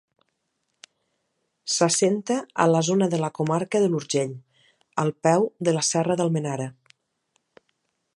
S'assenta a la zona de la comarca de l’Urgell, al peu de la Serra d'Almenara.